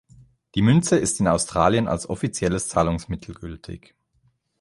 Die Münze ist in Australien als offizielles Zahlungsmittel gültig.